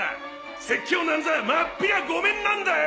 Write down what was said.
説教なんざまっぴらごめんなんだよ！